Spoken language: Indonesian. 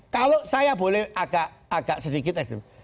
kalau saya boleh agak sedikit ekstrim